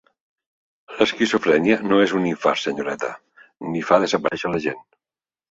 L'esquizofrènia no és un infart, senyoreta, ni fa desaparèixer la gent.